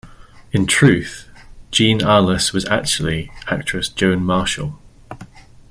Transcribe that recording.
In truth, Jean Arless was actually actress Joan Marshall.